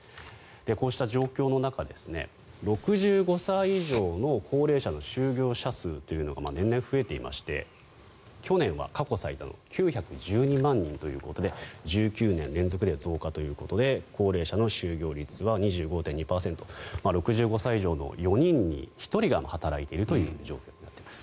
こうした状況の中６５歳以上の高齢者の就業者数というのが年々増えていまして去年は過去最多の９１２万人ということで１９年連続で増加ということで高齢者の就業率は２５．２％６５歳以上の４人に１人が働いているという状況になっています。